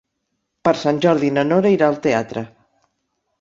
Per Sant Jordi na Nora irà al teatre.